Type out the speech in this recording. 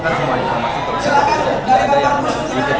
ayo jadi tapi semangkut